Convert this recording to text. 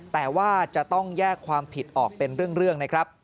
แต่ว่าจะต้องแยกความผิดออกเป็นเรื่องนะครับ